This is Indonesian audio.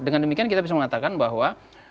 dengan demikian kita bisa mengatakan bahwa